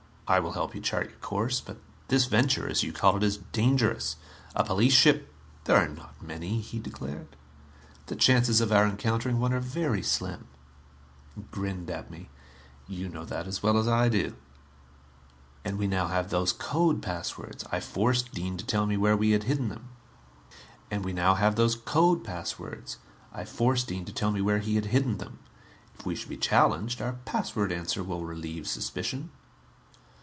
I will help you chart your course. But this venture, as you call it, is dangerous. A police ship " "There are not many," he declared. "The chances of our encountering one are very slim." He grinned at me. "You know that as well as I do. And we now have those code passwords I forced Dean to tell me where he had hidden them. If we should be challenged, our password answer will relieve suspicion."